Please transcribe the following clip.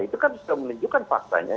itu kan sudah menunjukkan faktanya